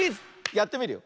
ふってみるよ。